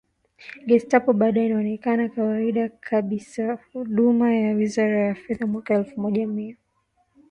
Gestapo bado inaonekana kawaida kabisahuduma ya wizara ya fedha Mwaka elfu moja mia